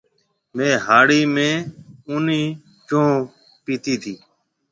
ميه هِاڙي ۾ اونَي چونه پيتي تي۔